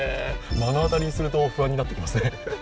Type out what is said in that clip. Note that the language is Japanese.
目の当たりにすると不安になってきますね。